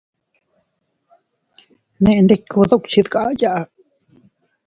Nendikku dukchi dkayaa.